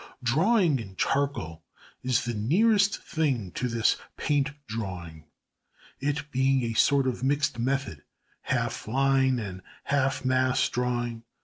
Drawing in charcoal is the nearest thing to this "paint drawing," it being a sort of mixed method, half line and half mass drawing.